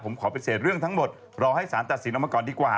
ผมขอปฏิเสธเรื่องทั้งหมดรอให้สารตัดสินออกมาก่อนดีกว่า